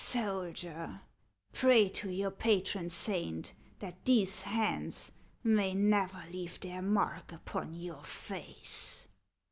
" Soldier, pray to your patron saint that these hands may never leave their mark upon your face